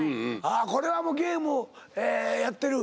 これはもうゲームやってる？